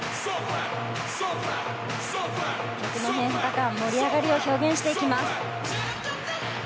曲の変化感、盛り上がりを表現していきます。